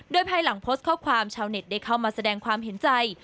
โดยภายหลังโพสต์ข้อความชาวเน็ตได้เข้ามาแสดงความเห็นใจ